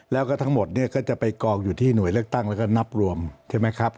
แล้วก็ทั้งหมดเนี่ยก็จะไปกองอยู่ที่หน่วยเลือกตั้งแล้วก็นับรวมใช่ไหมครับ